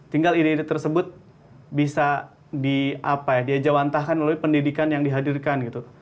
tinggal ide ide tersebut bisa diajawantahkan melalui pendidikan yang dihadirkan gitu